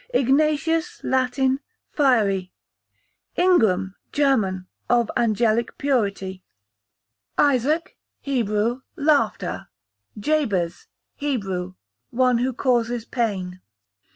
Ignatius, Latin, fiery. Ingram, German, of angelic purity. Isaac, Hebrew, laughter. Jabez, Hebrew, one who causes pain.